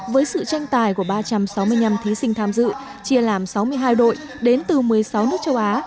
với sự tranh tài của ba trăm sáu mươi năm thí sinh tham dự chia làm sáu mươi hai đội đến từ một mươi sáu nước châu á